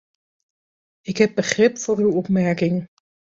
Ik heb begrip voor uw opmerking.